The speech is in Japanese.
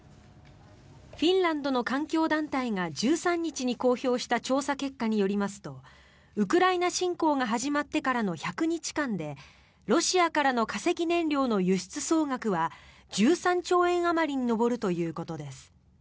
フィンランドの環境団体が１３日に公表した調査結果によりますとウクライナ侵攻が始まってからの１００日間でロシアからの化石燃料の輸出総額は１３兆円あまりに上るということです。